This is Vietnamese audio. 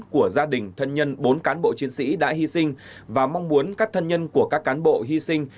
của gia đình thân nhân bốn cán bộ chiến sĩ đã hy sinh và mong muốn các thân nhân của các cán bộ hy sinh